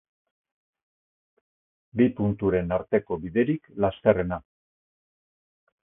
Bi punturen arteko biderik lasterrena